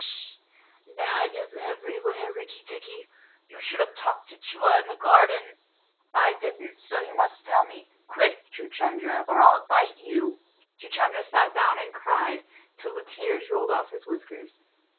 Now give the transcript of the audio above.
"H'sh! Nag is everywhere, Rikki tikki. You should have talked to Chua in the garden." "I didn't so you must tell me. Quick, Chuchundra, or I'll bite you!" Chuchundra sat down and cried till the tears rolled off his whiskers.